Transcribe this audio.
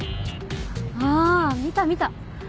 あ見た見た。